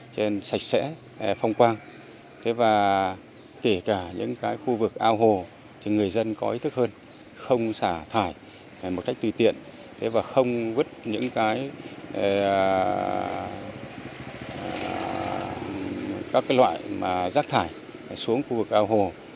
trên sạch sẽ phong quang kể cả những khu vực ao hồ người dân có ý thức hơn không xả thải một cách tùy tiện không vứt những loại rác thải xuống khu vực ao hồ